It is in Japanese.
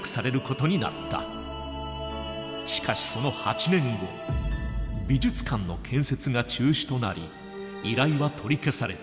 しかしその８年後美術館の建設が中止となり依頼は取り消された。